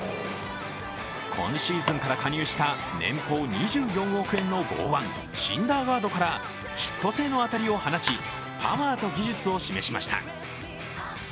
今シーズンから加入した年俸２４億円の剛腕、シンダーガードからヒット性の当たりを放ち、パワーと技術を示しました。